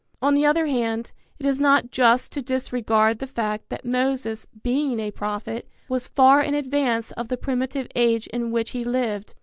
On the other hand, it is not just to disregard the fact that Moses, being a prophet, was far in advance of the primitive age in which he lived.